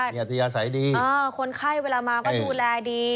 ใช่บอกว่าคนไข้เวลามาก็ดูแลดี